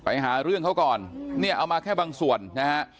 ไปหาเรื่องเขาก่อนเนี่ยเอามาแค่บางส่วนนะฮะ